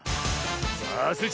さあスイ